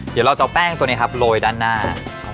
เดี๋ยวเราจะเอาแป้งตัวนี้ครับโรยด้านหน้า